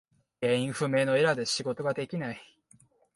原因不明のエラーで仕事ができない。